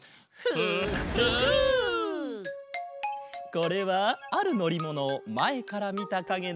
これはあるのりものをまえからみたかげだ。